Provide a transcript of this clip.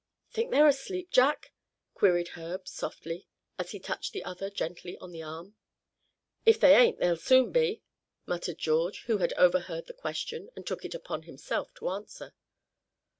"Think they're asleep, Jack?" queried Herb, softly, as he touched the other gently on the arm. "If they ain't they'll soon be," muttered George, who had overheard the question and took it upon himself to answer.